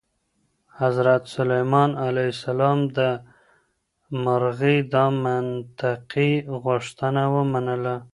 حضرت سلیمان علیه السلام د مرغۍ دا منطقي غوښتنه ومنله.